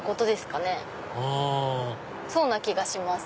あそうな気がします。